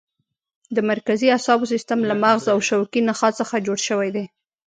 د مرکزي اعصابو سیستم له مغز او شوکي نخاع څخه جوړ شوی دی.